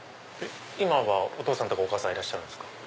今はお父さんとかお母さんいらっしゃるんですか？